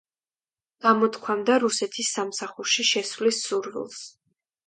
გამოთქვამდა რუსეთის სამსახურში შესვლის სურვილს.